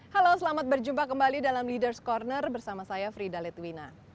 halo selamat berjumpa kembali dalam leaders' corner bersama saya frida letwina